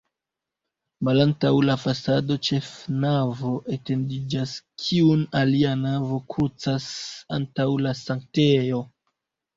Malantaŭ la fasado ĉefnavo etendiĝas, kiun alia navo krucas antaŭ la sanktejo.